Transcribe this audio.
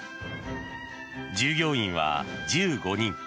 従業員は１５人。